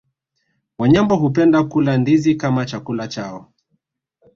Wanyambo hupenda kula ndizi kama chakula chao